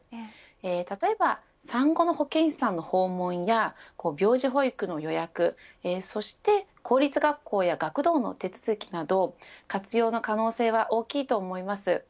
例えば産後の保健師さんの訪問や病児保育の予約、そして公立学校や学童の手続きなど活用の可能性は大きいと思います。